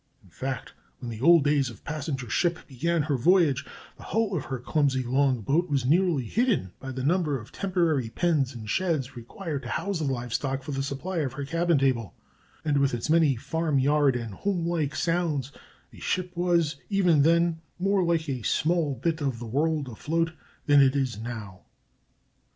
In fact, when, in the old days, a passenger ship began her voyage, the hull of her clumsy long boat was nearly hidden by the number of temporary pens and sheds required to house the live stock for the supply of her cabin table; and with its many farm yard and homelike sounds a ship was, even then, more like a small bit of the world afloat than it is now.